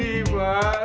gak sedih pak